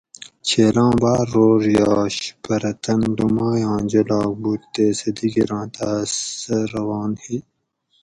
چھیلاں باۤر روڛ یاش پرہ تن لومائ آں جولاگ بود تے سہ دیگیراں تاس سہ روان ہی